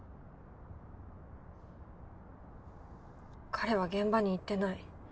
彼は現場に行ってない。